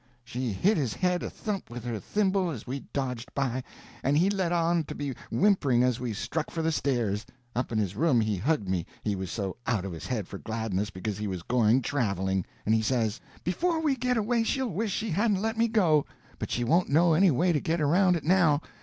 She hit his head a thump with her thimble as we dodged by, and he let on to be whimpering as we struck for the stairs. Up in his room he hugged me, he was so out of his head for gladness because he was going traveling. And he says: "Before we get away she'll wish she hadn't let me go, but she won't know any way to get around it now.